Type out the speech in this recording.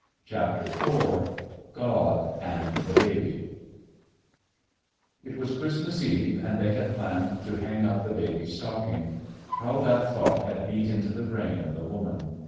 IV GOD AND THE BABY IT was Christmas Eve, and they had planned to hang up the baby's stocking! How that thought had beat into the brain of the woman.